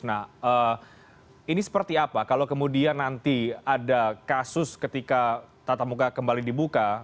nah ini seperti apa kalau kemudian nanti ada kasus ketika tatap muka kembali dibuka